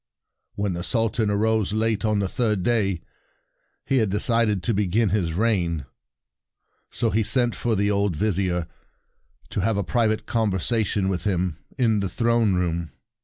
"When the Sultan arose late on the third day, he had de cided to begin his reign. So he sent for the old Vizier, to have a private conversation with him in the throne room.